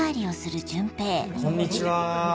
こんにちは。